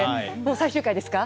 最終回ですか。